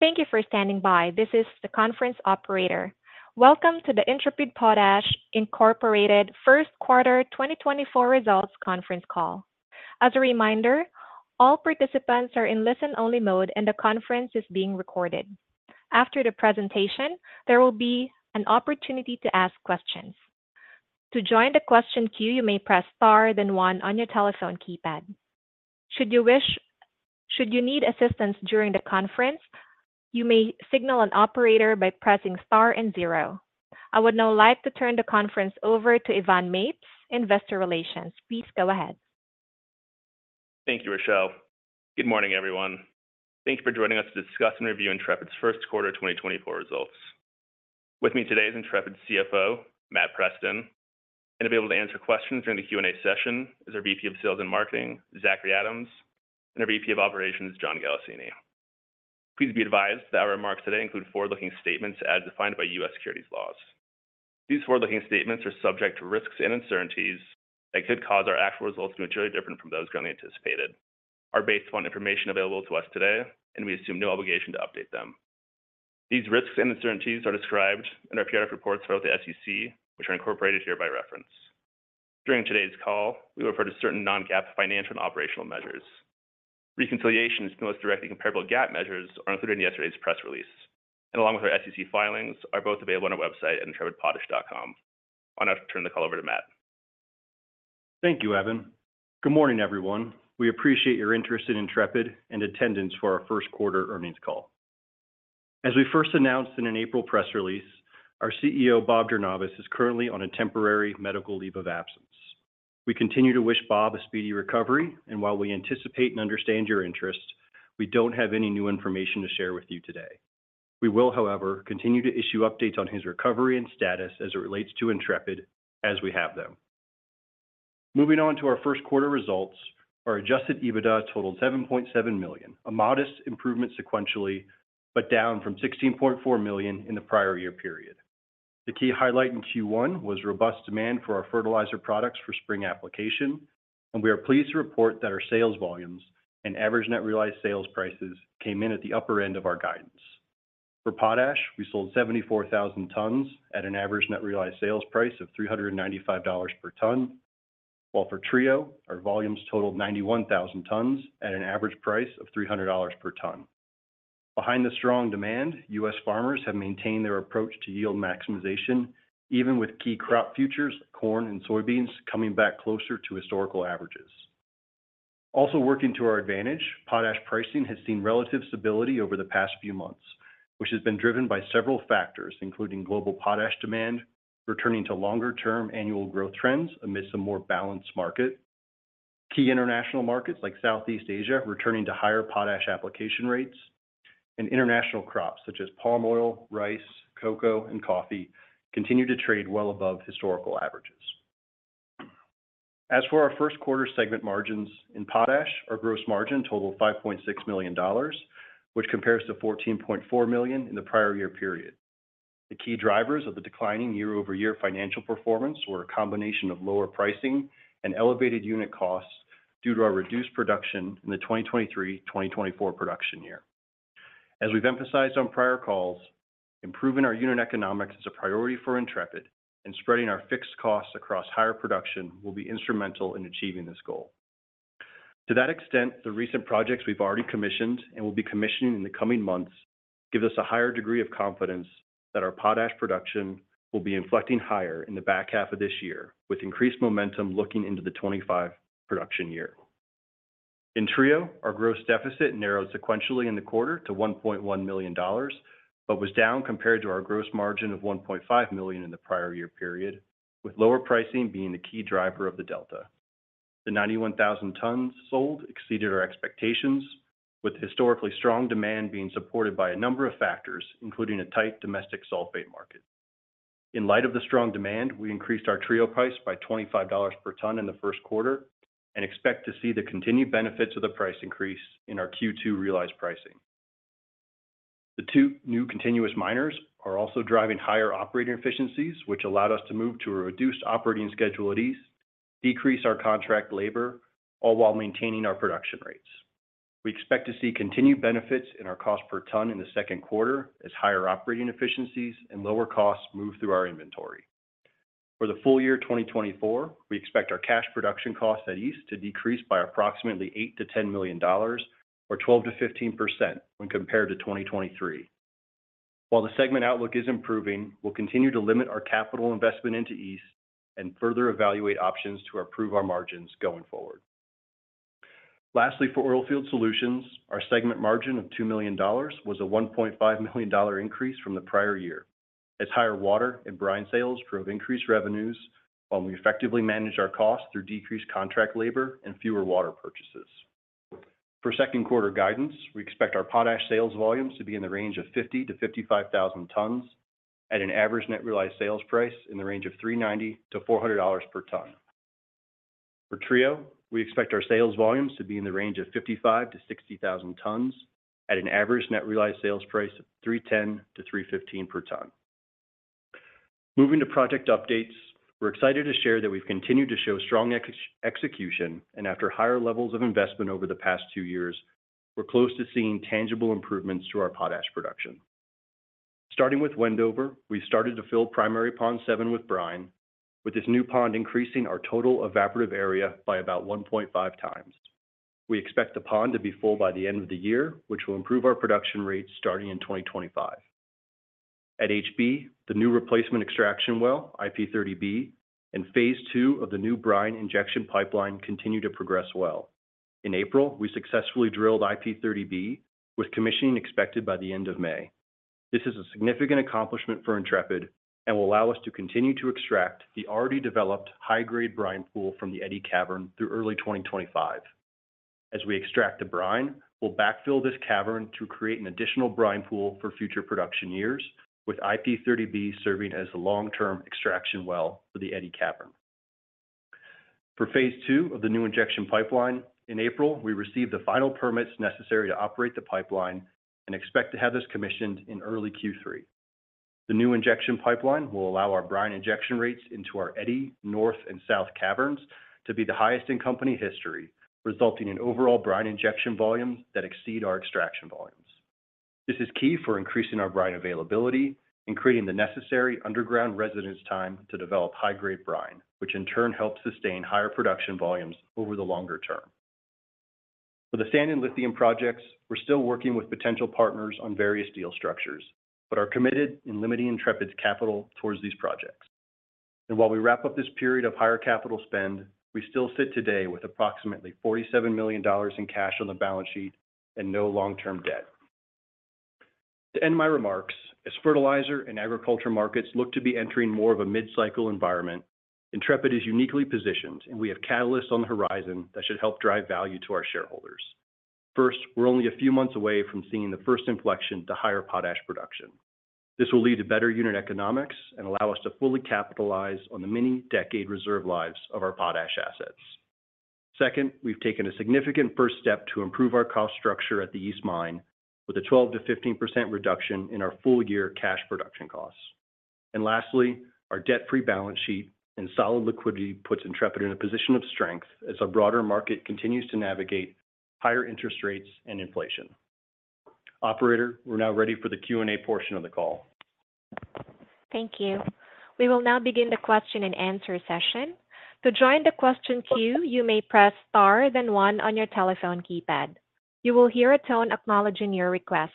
Thank you for standing by. This is the conference operator. Welcome to the Intrepid Potash Incorporated first quarter 2024 Results Conference call. As a reminder, all participants are in listen-only mode and the conference is being recorded. After the presentation, there will be an opportunity to ask questions. To join the question queue, you may press star then one on your telephone keypad. Should you need assistance during the conference, you may signal an operator by pressing star and zero. I would now like to turn the conference over to Evan Mapes, Investor Relations. Please go ahead. Thank you, Rochelle. Good morning, everyone. Thank you for joining us to discuss and review Intrepid's first quarter 2024 results. With me today is Intrepid's CFO, Matt Preston, and to be able to answer questions during the Q&A session is our Vice President of Sales and Marketing, Zachry Adams, and our Vice President of Operations, John Galassini. Please be advised that our remarks today include forward-looking statements as defined by U.S. securities laws. These forward-looking statements are subject to risks and uncertainties that could cause our actual results to materially differ from those currently anticipated. Our basis is upon information available to us today, and we assume no obligation to update them. These risks and uncertainties are described in our periodic reports filed with the SEC, which are incorporated here by reference. During today's call, we will refer to certain non-GAAP financial and operational measures. Reconciliations and the most directly comparable GAAP measures are included in yesterday's press release, and along with our SEC filings are both available on our website at intrepidpotash.com. I'll now turn the call over to Matt. Thank you, Evan. Good morning, everyone. We appreciate your interest in Intrepid and attendance for our First Quarter Earnings call. As we first announced in an April press release, our CEO, Bob Jornayvaz, is currently on a temporary medical leave of absence. We continue to wish Bob a speedy recovery, and while we anticipate and understand your interest, we don't have any new information to share with you today. We will, however, continue to issue updates on his recovery and status as it relates to Intrepid as we have them. Moving on to our first quarter results, our Adjusted EBITDA totaled $7.7 million, a modest improvement sequentially but down from $16.4 million in the prior year period. The key highlight in Q1 was robust demand for our fertilizer products for spring application, and we are pleased to report that our sales volumes and average net realized sales prices came in at the upper end of our guidance. For Potash, we sold 74,000 tons at an average net realized sales price of $395 per ton, while for Trio, our volumes totaled 91,000 tons at an average price of $300 per ton. Behind the strong demand, U.S. farmers have maintained their approach to yield maximization, even with key crop futures like corn and soybeans coming back closer to historical averages. Also working to our advantage, Potash pricing has seen relative stability over the past few months, which has been driven by several factors including global Potash demand, returning to longer-term annual growth trends amidst a more balanced market, key international markets like Southeast Asia returning to higher Potash application rates, and international crops such as palm oil, rice, cocoa, and coffee continue to trade well above historical averages. As for our first quarter segment margins in Potash, our gross margin totaled $5.6 million, which compares to $14.4 million in the prior year period. The key drivers of the declining year-over-year financial performance were a combination of lower pricing and elevated unit costs due to our reduced production in the 2023-2024 production year. As we've emphasized on prior calls, improving our unit economics is a priority for Intrepid, and spreading our fixed costs across higher production will be instrumental in achieving this goal. To that extent, the recent projects we've already commissioned and will be commissioning in the coming months give us a higher degree of confidence that our Potash production will be inflecting higher in the back half of this year, with increased momentum looking into the 2025 production year. In Trio, our gross deficit narrowed sequentially in the quarter to $1.1 million but was down compared to our gross margin of $1.5 million in the prior year period, with lower pricing being the key driver of the delta. The 91,000 tons sold exceeded our expectations, with historically strong demand being supported by a number of factors including a tight domestic sulfate market. In light of the strong demand, we increased our Trio price by $25 per ton in the first quarter and expect to see the continued benefits of the price increase in our Q2 realized pricing. The two new continuous miners are also driving higher operating efficiencies, which allowed us to move to a reduced operating schedule at East Mine, decrease our contract labor, all while maintaining our production rates. We expect to see continued benefits in our cost per ton in the second quarter as higher operating efficiencies and lower costs move through our inventory. For the full year 2024, we expect our cash production costs at East Mine to decrease by approximately $8 million $10 million or 12%-15% when compared to 2023. While the segment outlook is improving, we'll continue to limit our capital investment into East Mine and further evaluate options to improve our margins going forward. Lastly, for Oilfield Solutions, our segment margin of $2 million was a $1.5 million increase from the prior year as higher water and brine sales drove increased revenues while we effectively managed our costs through decreased contract labor and fewer water purchases. For second quarter guidance, we expect our Potash sales volumes to be in the range of 50,000-55,000 tons at an average net realized sales price in the range of $390-$400 per ton. For Trio, we expect our sales volumes to be in the range of 55,000-60,000 tons at an average net realized sales price of $310-$315 per ton. Moving to project updates, we're excited to share that we've continued to show strong execution and, after higher levels of investment over the past two years, we're close to seeing tangible improvements to our Potash production. Starting with Wendover, we've started to fill Primary Pond 7 with brine, with this new pond increasing our total evaporative area by about 1.5 times. We expect the pond to be full by the end of the year, which will improve our production rates starting in 2025. At HB, the new replacement extraction well, IP30B, and phase II of the new brine injection pipeline continue to progress well. In April, we successfully drilled IP30B, with commissioning expected by the end of May. This is a significant accomplishment for Intrepid and will allow us to continue to extract the already developed high-grade brine pool from the Eddy cavern through early 2025. As we extract the brine, we'll backfill this cavern to create an additional brine pool for future production years, with IP30B serving as the long-term extraction well for the Eddy cavern. For phase II of the new injection pipeline, in April, we received the final permits necessary to operate the pipeline and expect to have this commissioned in early Q3. The new injection pipeline will allow our brine injection rates into our Eddy, North, and South caverns to be the highest in company history, resulting in overall brine injection volumes that exceed our extraction volumes. This is key for increasing our brine availability and creating the necessary underground residence time to develop high-grade brine, which in turn helps sustain higher production volumes over the longer term. For the sand and lithium projects, we're still working with potential partners on various deal structures but are committed in limiting Intrepid's capital towards these projects. While we wrap up this period of higher capital spend, we still sit today with approximately $47 million in cash on the balance sheet and no long-term debt. To end my remarks, as fertilizer and agriculture markets look to be entering more of a mid-cycle environment, Intrepid is uniquely positioned and we have catalysts on the horizon that should help drive value to our shareholders. First, we're only a few months away from seeing the first inflection to higher Potash production. This will lead to better unit economics and allow us to fully capitalize on the many decade reserve lives of our Potash assets. Second, we've taken a significant first step to improve our cost structure at the East Mine with a 12%-15% reduction in our full-year cash production costs. And lastly, our debt-free balance sheet and solid liquidity puts Intrepid in a position of strength as our broader market continues to navigate higher interest rates and inflation. Operator, we're now ready for the Q&A portion of the call. Thank you. We will now begin the question-and-answer session. To join the question queue, you may press star then one on your telephone keypad. You will hear a tone acknowledging your request.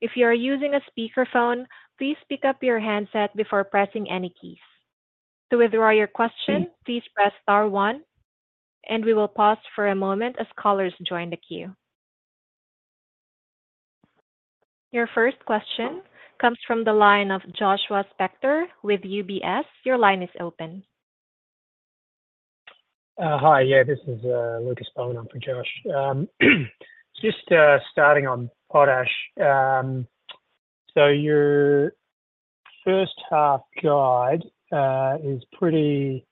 If you are using a speakerphone, please pick up your handset before pressing any keys. To withdraw your question, please press star one, and we will pause for a moment as callers join the queue. Your first question comes from the line of Joshua Spector with UBS. Your line is open. Hi, yeah, this is Lucas Beaumont. I'm for Josh. Just starting on Potash, so your first half guide is pretty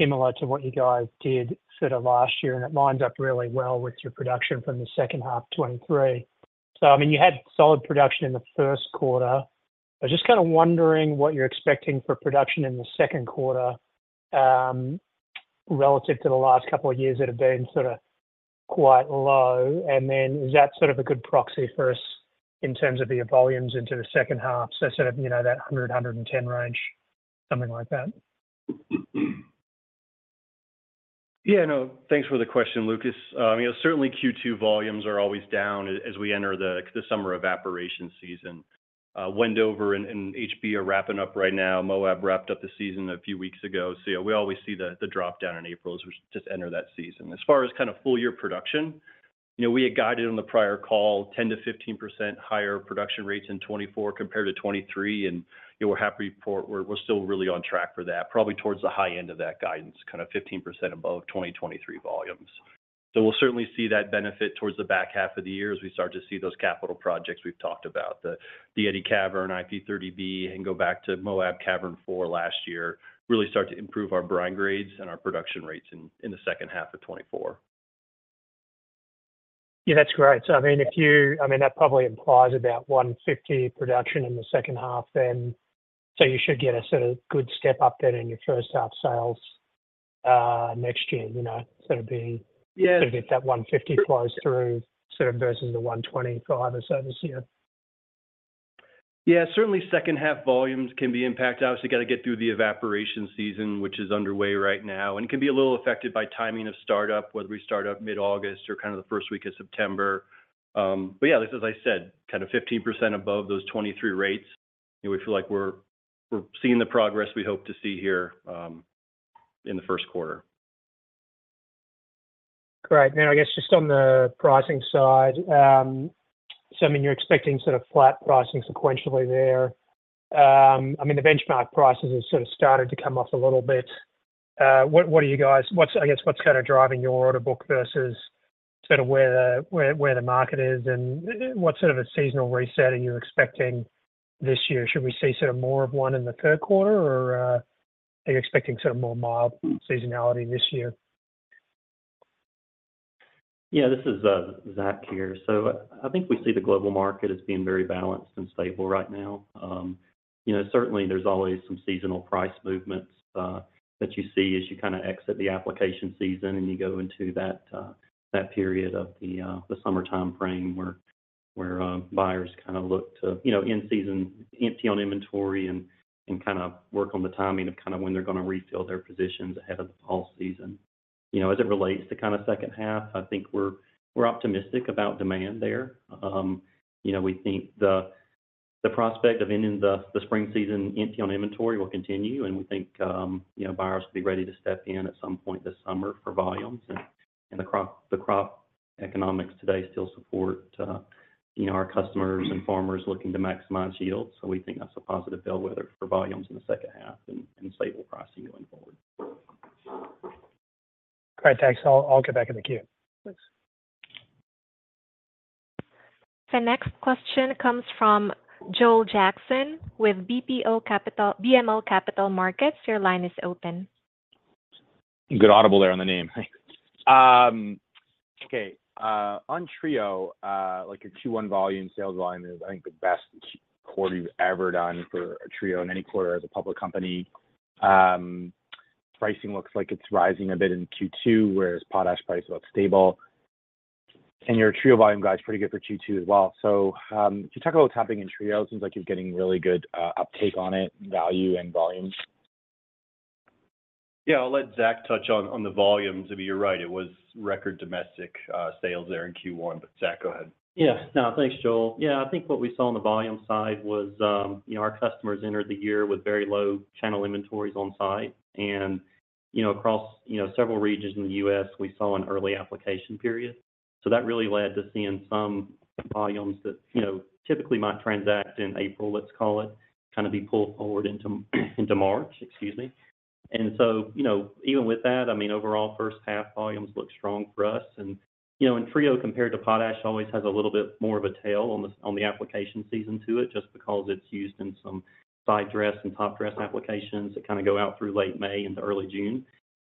similar to what you guys did sort of last year, and it lines up really well with your production from the second half 2023. So, I mean, you had solid production in the first quarter. I was just kind of wondering what you're expecting for production in the second quarter relative to the last couple of years that have been sort of quite low. And then is that sort of a good proxy for us in terms of your volumes into the second half, so sort of that 100, 110 range, something like that? Yeah, no, thanks for the question, Lucas. I mean, certainly Q2 volumes are always down as we enter the summer evaporation season. Wendover and HB are wrapping up right now. Moab wrapped up the season a few weeks ago, so we always see the drop down in April as we just enter that season. As far as kind of full-year production, we had guided on the prior call 10%-15% higher production rates in 2024 compared to 2023, and we're happy to report we're still really on track for that, probably towards the high end of that guidance, kind of 15% above 2023 volumes. So we'll certainly see that benefit towards the back half of the year as we start to see those capital projects we've talked about, the Eddy cavern, IP30B, and go back to Moab cavern 4 last year, really start to improve our brine grades and our production rates in the second half of 2024. Yeah, that's great. So, I mean, if you—I mean, that probably implies about 150 production in the second half then, so you should get a sort of good step up then in your first half sales next year, sort of be sort of if that 150 flows through sort of versus the 120 for either service year. Yeah, certainly second half volumes can be impacted. Obviously, you got to get through the evaporation season, which is underway right now, and it can be a little affected by timing of startup, whether we start up mid-August or kind of the first week of September. But yeah, as I said, kind of 15% above those 2023 rates. We feel like we're seeing the progress we hope to see here in the first quarter. Great. Now, I guess just on the pricing side, so I mean, you're expecting sort of flat pricing sequentially there. I mean, the benchmark prices have sort of started to come off a little bit. What are you guys I guess what's kind of driving your order book versus sort of where the market is, and what sort of a seasonal reset are you expecting this year? Should we see sort of more of one in the third quarter, or are you expecting sort of more mild seasonality this year? Yeah, this is Zach here. So I think we see the global market as being very balanced and stable right now. Certainly, there's always some seasonal price movements that you see as you kind of exit the application season and you go into that period of the summer time frame where buyers kind of look to end season, empty on inventory, and kind of work on the timing of kind of when they're going to refill their positions ahead of the fall season. As it relates to kind of second half, I think we're optimistic about demand there. We think the prospect of ending the spring season empty on inventory will continue, and we think buyers will be ready to step in at some point this summer for volumes. The crop economics today still support our customers and farmers looking to maximize yield, so we think that's a positive bellwether for volumes in the second half and stable pricing going forward. Great. Thanks. I'll get back in the queue. Thanks. The next question comes from Joel Jackson with BMO Capital Markets. Your line is open. Good audible there on the name. Okay. On Trio, your Q1 volume, sales volume is, I think, the best quarter you've ever done for a Trio in any quarter as a public company. Pricing looks like it's rising a bit in Q2, whereas Potash price looks stable. And your Trio volume, guys, pretty good for Q2 as well. So if you talk about what's happening in Trio, it seems like you're getting really good uptake on it, value, and volume. Yeah, I'll let Zach touch on the volumes. I mean, you're right. It was record domestic sales there in Q1, but Zach, go ahead. Yeah. No, thanks, Joel. Yeah, I think what we saw on the volume side was our customers entered the year with very low channel inventories on site. And across several regions in the U.S., we saw an early application period. So that really led to seeing some volumes that typically might transact in April, let's call it, kind of be pulled forward into March, excuse me. And so even with that, I mean, overall, first half volumes look strong for us. And Trio, compared to Potash, always has a little bit more of a tail on the application season to it just because it's used in some side dress and top dress applications that kind of go out through late May into early June.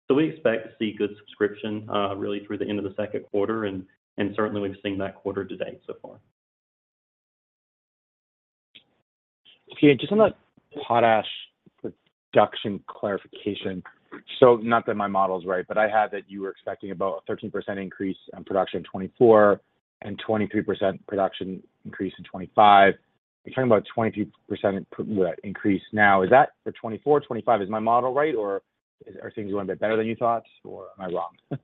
So we expect to see good subscription really through the end of the second quarter, and certainly, we've seen that quarter to date so far. Okay. Just on that Potash production clarification, so not that my model's right, but I have that you were expecting about a 13% increase in production in 2024 and 23% production increase in 2025. You're talking about a 23% increase now. Is that for 2024, 2025? Is my model right, or are things going a bit better than you thought, or am I wrong?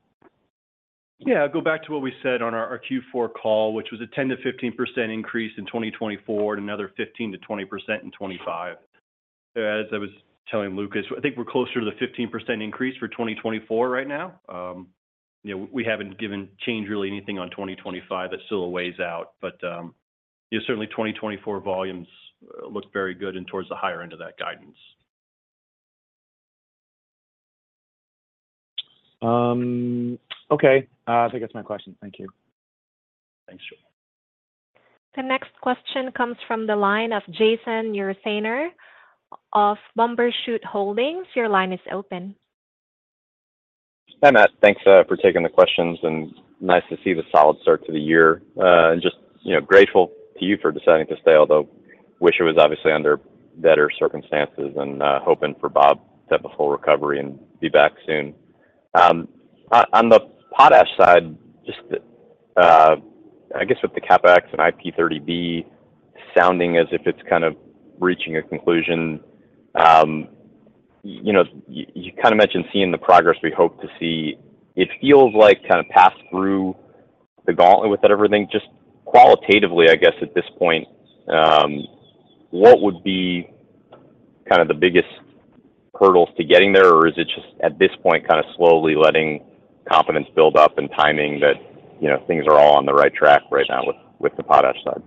Yeah, I'll go back to what we said on our Q4 call, which was a 10%-15% increase in 2024 and another 15%-20% in 2025. As I was telling Lucas, I think we're closer to the 15% increase for 2024 right now. We haven't changed really anything on 2025. That still plays out. But certainly, 2024 volumes looked very good and towards the higher end of that guidance. Okay. I think that's my question. Thank you. Thanks, Joel. The next question comes from the line of Jason Ursaner of Bumbershoot Holdings. Your line is open. Hi, Matt. Thanks for taking the questions, and nice to see the solid start to the year. Just grateful to you for deciding to stay, although wish it was obviously under better circumstances and hoping for Bob to have a full recovery and be back soon. On the Potash side, I guess with the CapEx and IP30B sounding as if it's kind of reaching a conclusion, you kind of mentioned seeing the progress we hope to see. It feels like kind of passed through the gauntlet with everything. Just qualitatively, I guess at this point, what would be kind of the biggest hurdles to getting there, or is it just at this point kind of slowly letting confidence build up and timing that things are all on the right track right now with the Potash side?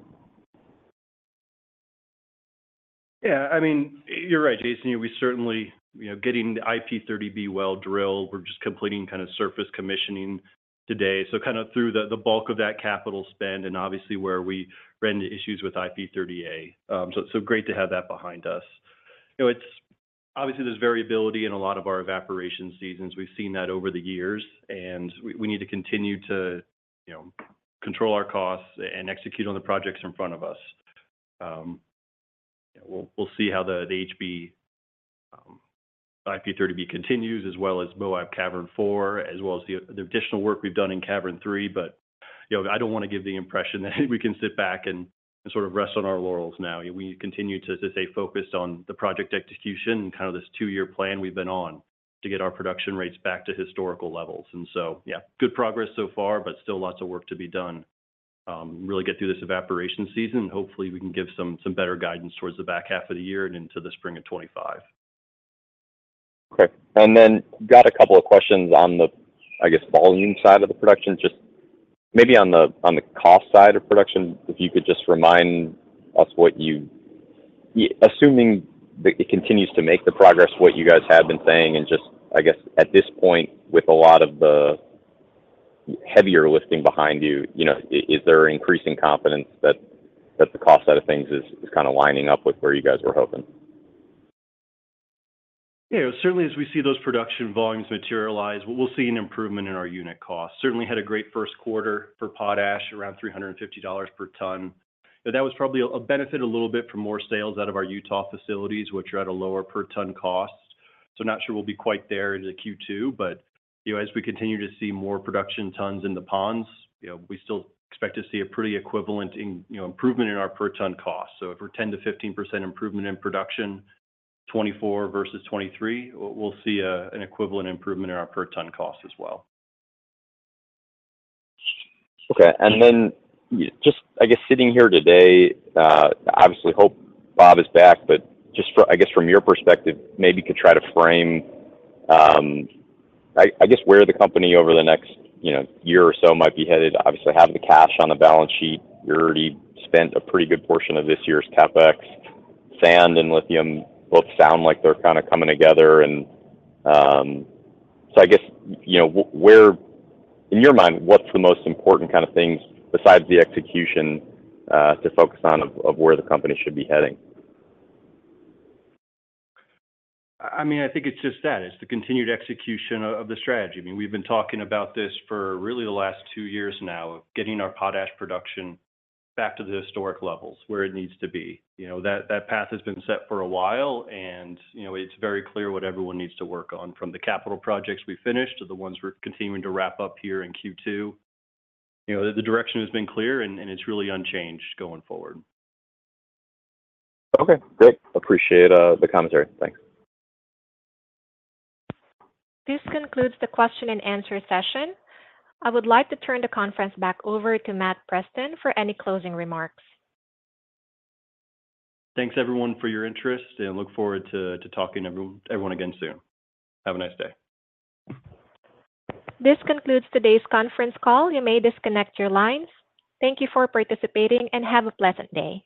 Yeah, I mean, you're right, Jason. We're certainly getting the IP30B well drilled. We're just completing kind of surface commissioning today. So kind of through the bulk of that capital spend and obviously where we ran into issues with IP30A, so great to have that behind us. Obviously, there's variability in a lot of our evaporation seasons. We've seen that over the years, and we need to continue to control our costs and execute on the projects in front of us. We'll see how the HB IP30B continues as well as Moab cavern 4, as well as the additional work we've done in cavern 3. But I don't want to give the impression that we can sit back and sort of rest on our laurels now. We continue to stay focused on the project execution and kind of this two-year plan we've been on to get our production rates back to historical levels. And so, yeah, good progress so far, but still lots of work to be done. Really get through this evaporation season, and hopefully, we can give some better guidance towards the back half of the year and into the spring of 2025. Okay. And then got a couple of questions on the, I guess, volume side of the production. Just maybe on the cost side of production, if you could just remind us what you assuming it continues to make the progress, what you guys have been saying. And just, I guess, at this point, with a lot of the heavier lifting behind you, is there increasing confidence that the cost side of things is kind of lining up with where you guys were hoping? Yeah, certainly, as we see those production volumes materialize, we'll see an improvement in our unit costs. Certainly, had a great first quarter for Potash, around $350 per ton. That was probably a benefit a little bit for more sales out of our Utah facilities, which are at a lower per-ton cost. So not sure we'll be quite there into Q2, but as we continue to see more production tons in the ponds, we still expect to see a pretty equivalent improvement in our per-ton cost. So if we're 10%-15% improvement in production, 2024 versus 2023, we'll see an equivalent improvement in our per-ton cost as well. Okay. And then just, I guess, sitting here today, obviously, hope Bob is back, but just, I guess, from your perspective, maybe could try to frame, I guess, where the company over the next year or so might be headed. Obviously, have the cash on the balance sheet. You already spent a pretty good portion of this year's CapEx. Sand and lithium both sound like they're kind of coming together. And so, I guess, in your mind, what's the most important kind of things besides the execution to focus on of where the company should be heading? I mean, I think it's just that. It's the continued execution of the strategy. I mean, we've been talking about this for really the last two years now, getting our Potash production back to the historic levels, where it needs to be. That path has been set for a while, and it's very clear what everyone needs to work on, from the capital projects we finished to the ones we're continuing to wrap up here in Q2. The direction has been clear, and it's really unchanged going forward. Okay. Great. Appreciate the commentary. Thanks. This concludes the question-and-answer session. I would like to turn the conference back over to Matt Preston for any closing remarks. Thanks, everyone, for your interest, and look forward to talking to everyone again soon. Have a nice day. This concludes today's conference call. You may disconnect your lines. Thank you for participating, and have a pleasant day.